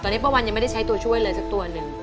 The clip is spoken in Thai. ตอนนี้ป้าวันยังไม่ได้ใช้ตัวช่วยเลยสักตัวหนึ่ง